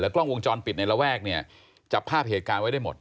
กล้องวงจรปิดในระแวกเนี่ยจับภาพเหตุการณ์ไว้ได้หมด